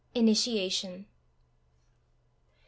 INITIATION. Mrs.